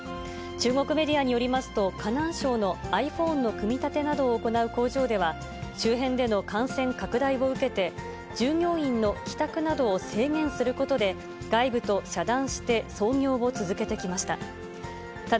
中国メディアによりますと、河南省のｉＰｈｏｎｅの組み立てなどを行う工場では、周辺での感染拡大を受けて、従業員の帰宅などを制限することで、外部と遮断して操業を続けてきました。